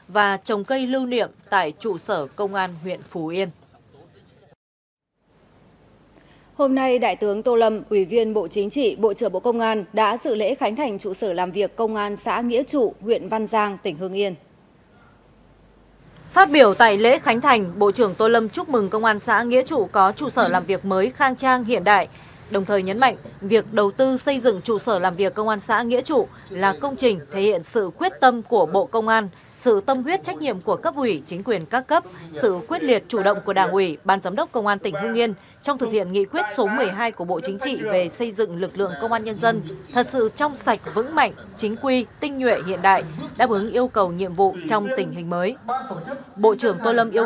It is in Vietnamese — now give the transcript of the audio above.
bộ trưởng tô lâm chúc mừng công an xã nghĩa trụ có trụ sở làm việc mới khang trang hiện đại đồng thời nhấn mạnh việc đầu tư xây dựng trụ sở làm việc công an xã nghĩa trụ là công trình thể hiện sự quyết tâm của bộ công an sự tâm huyết trách nhiệm của cấp ủy chính quyền các cấp sự quyết liệt chủ động của đảng ủy ban giám đốc công an tỉnh hương yên trong thực hiện nghị quyết số một mươi hai của bộ chính trị về xây dựng lực lượng công an nhân dân thật sự trong sạch vững mạnh chính quy tinh nhuệ hiện đại đáp ứng yêu cầu nhiệm vụ trong tình hình mới